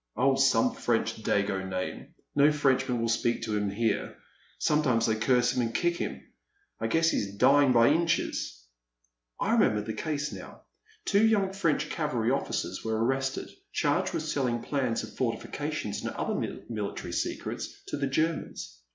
Oh, some French dago name. No French man will speak to him here ; sometimes they curse him and kick him. I guess he 's dyin' by inches." A Pleasant Evening. 313 I remembered the case now. Two young French cavalry officers were arrested, charged with selling plans of fortifications and other mili tary secrets to the Germans.